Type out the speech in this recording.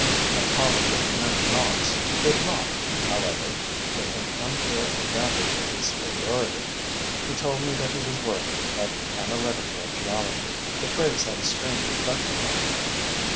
My colleague of the many noughts did not, however, take an unfair advantage of his superiority. He told me that he was working at analytical geometry. The phrase had a strange effect upon me.